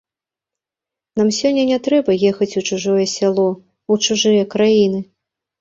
Нам сёння не трэба ехаць у чужое сяло, у чужыя краіны.